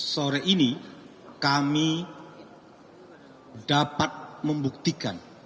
sore ini kami dapat membuktikan